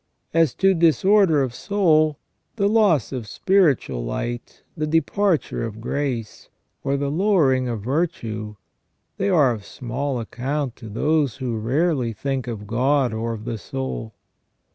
As to disorder of soul, the loss of spiritual light, the departure of grace, or the lowering of virtue, they are of small account to tho^e who rarely think of God or of the soul.